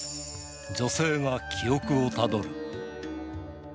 女性が記憶をたどる。